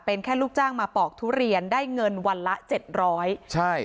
เป็นแค่ลูกจ้างมาปอกทุเรียนได้เงินวันละ๗๐๐บาท